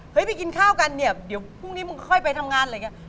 ไปกินข้าวกันเนี่ยเดี๋ยวพรุ่งนี้มึงค่อยไปทำงานอะไรอย่างนี้